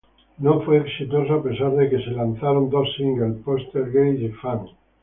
No fue exitoso, a pesar de que se lanzaron dos singles, "Poltergeist" y "Fan".